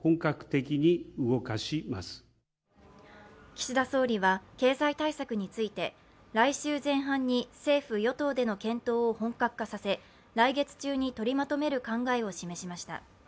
岸田総理は経済対策について来週前半に政府・与党での検討を本格化させ来月中に取りまとめる考えを示しました。